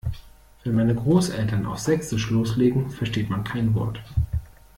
Wenn meine Großeltern auf sächsisch loslegen, versteht man kein Wort.